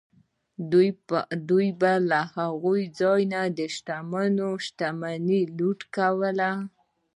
دوی به له هغه ځایه د شتمنو شتمنۍ لوټ کولې.